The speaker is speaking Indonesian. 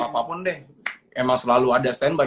apapun deh emang selalu ada stand by